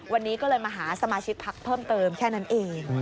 วันนี้ก็เลยมาหาสมาชิกพักเพิ่มเติมแค่นั้นเอง